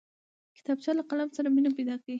کتابچه له قلم سره مینه پیدا کوي